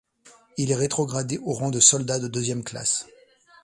Il est rétrogradé au rang de soldat de deuxième classe.